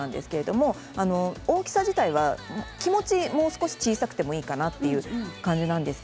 大きさ自体は気持ちもう少し小さくてもいいかなという感じです。